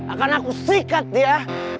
akan aku sikat dia